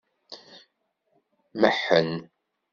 Meḥḥen.